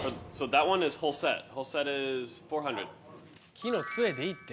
木のつえでいいって。